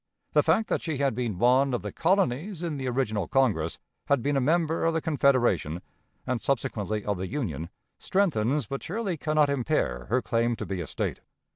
The fact that she had been one of the colonies in the original Congress, had been a member of the Confederation, and subsequently of the Union, strengthens, but surely can not impair, her claim to be a State.